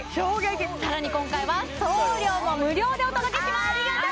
さらに今回は送料も無料でお届けしますありがとう！